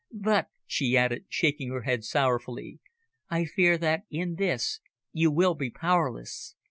"But," she added, shaking her head sorrowfully, "I fear that in this you will be powerless.